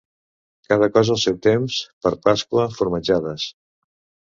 Cada cosa al seu temps; per Pasqua, formatjades.